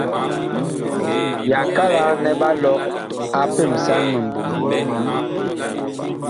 Yakalak nɛ ɓa lɔg a pemsan miɓɔŋgo.